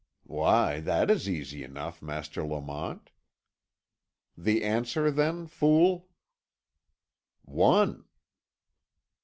"Why, that is easy enough, Master Lamont." "The answer then, fool?" "One."